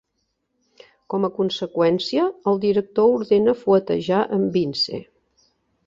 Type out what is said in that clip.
Com a conseqüència, el director ordena fuetejar en Vince.